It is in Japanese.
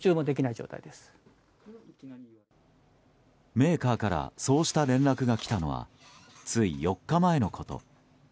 メーカーからそうした連絡が来たのはつい４日前のこと。